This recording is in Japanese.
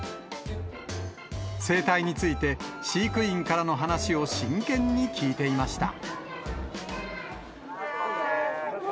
生態について、飼育員からの話を真剣に聞いていました。